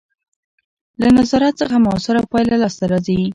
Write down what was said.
له نظارت څخه مؤثره پایله لاسته راځي.